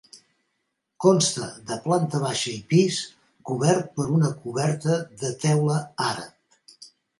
Consta de planta baixa i pis cobert per una coberta de teula àrab.